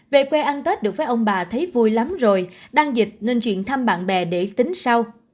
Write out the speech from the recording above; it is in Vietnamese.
về quê ăn tết được với ông bà thấy vui lắm rồi đang dịch nên chuyện thăm bạn bè để tính sau